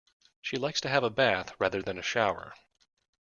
She likes to have a bath rather than a shower